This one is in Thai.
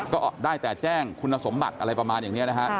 ก็ได้แต่แจ้งคุณสมบัติอะไรประมาณอย่างนี้นะฮะ